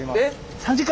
３時間！？